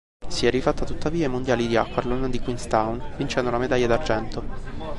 Si è rifatta, tuttavia, ai mondiali di aquathlon di Queenstown, vincendo la medaglia d'argento.